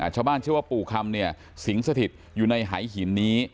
ชาวบ้านชื่อว่าปู่คล้ำเนี่ยสิงห์สถิตอยู่ในหินในทรัพย์นี้